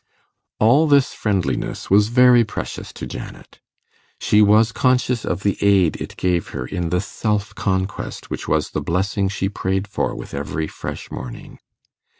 All this friendliness was very precious to Janet. She was conscious of the aid it gave her in the self conquest which was the blessing she prayed for with every fresh morning.